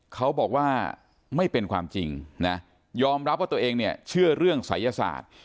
เขาบอกว่าไม่เป็นความจริงนะยอมรับว่าตัวเองเนี่ยเชื่อเรื่องศัยศาสตร์